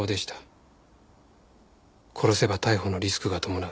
殺せば逮捕のリスクが伴う。